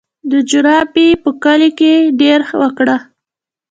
د جروبي په کلي کې یې دېره وکړه.